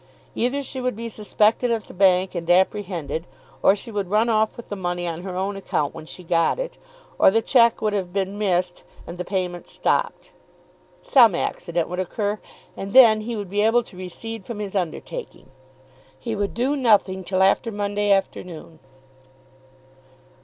Either she would be suspected at the bank and apprehended, or she would run off with the money on her own account when she got it; or the cheque would have been missed and the payment stopped. Some accident would occur, and then he would be able to recede from his undertaking. He would do nothing till after Monday afternoon.